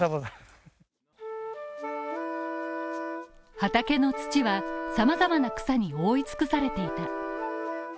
畑の土は様々な草に覆い尽くされていた。